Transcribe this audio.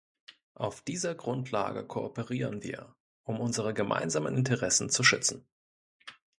Auf dieser Grundlage kooperieren wir, um unsere gemeinsamen Interessen zu schützen.